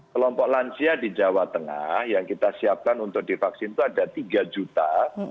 kelompok lansia di jawa tengah yang kita siapkan untuk divaksin itu ada tiga satu ratus dua puluh sembilan empat puluh dua